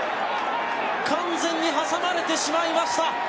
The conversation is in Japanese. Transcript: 完全に挟まれてしまいました。